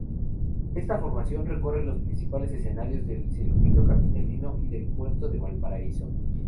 Esta formación recorre los principales escenarios del circuito capitalino y del puerto de Valparaíso.